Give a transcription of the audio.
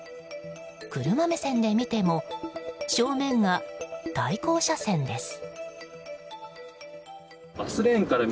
車目線で見ても正面が対向車線です。